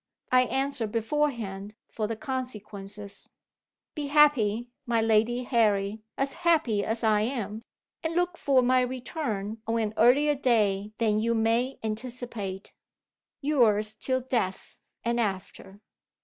I answer beforehand for the consequences. Be happy, my Lady Harry as happy as I am and look for my return on an earlier day than you may anticipate. Yours till death, and after.